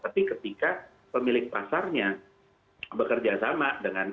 tapi ketika pemilik pasarnya bekerja sama dengan